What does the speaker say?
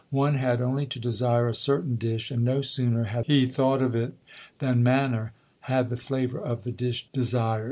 One had only to desire a certain dish, and no sooner had he thought of it, than manna had the flavor of the dish desire.